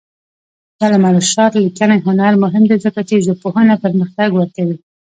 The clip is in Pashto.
د علامه رشاد لیکنی هنر مهم دی ځکه چې ژبپوهنه پرمختګ ورکوي.